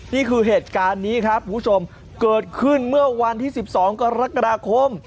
นี่คือเหตุการณ์นี้ครับคุณผู้ชมเกิดขึ้นเมื่อวันที่๑๒กรกฎาคม